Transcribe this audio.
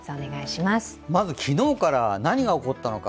まず昨日から何が起こったのか。